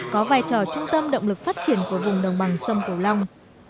có vai trò trung tâm động lực phát triển của vùng đồng bằng sông cửu long